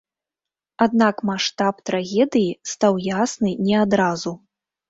Аднак маштаб трагедыі стаў ясны не адразу.